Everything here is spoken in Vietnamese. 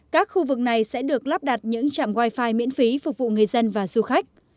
các khu vực này sẽ được lắp đặt những trạm wifi miễn phí phục vụ người dân và du khách